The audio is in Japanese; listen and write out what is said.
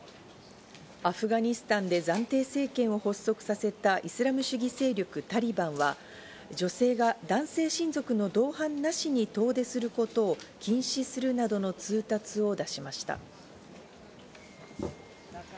アフガニスタンで暫定政権を発足させたイスラム主義勢力・タリバンは女性が男性親族の同伴なしに遠出することを禁止するなどの通達を出しました。